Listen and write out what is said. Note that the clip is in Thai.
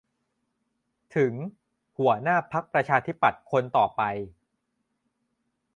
ถึง หัวหน้าพรรคประชาธิปัตย์คนต่อไป